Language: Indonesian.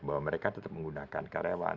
bahwa mereka tetap menggunakan karyawan